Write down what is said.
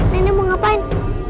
nenek mau ngapain